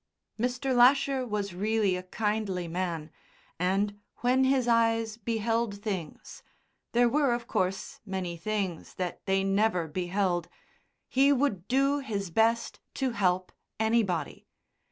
Mr. Lasher was really a kindly man, and when his eyes beheld things there were of course many things that they never beheld he would do his best to help anybody.